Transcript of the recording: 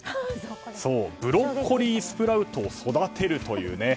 そうブロッコリースプラウトを育てるという。